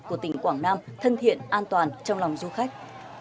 của tỉnh quảng nam thân thiện an toàn trong lòng du khách